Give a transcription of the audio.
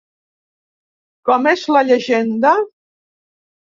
Com és la llegenda?